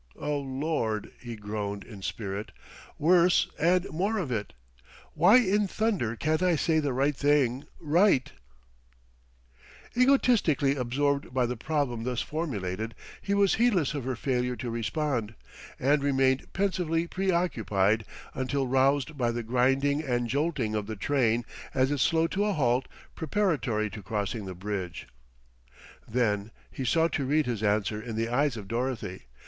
"O Lord!" he groaned in spirit. "Worse and more of it! Why in thunder can't I say the right thing right?" Egotistically absorbed by the problem thus formulated, he was heedless of her failure to respond, and remained pensively preoccupied until roused by the grinding and jolting of the train, as it slowed to a halt preparatory to crossing the bridge. Then he sought to read his answer in the eyes of Dorothy.